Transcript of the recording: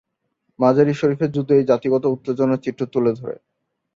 মাজার-ই-শরীফের যুদ্ধ এই জাতিগত উত্তেজনার চিত্র তুলে ধরে।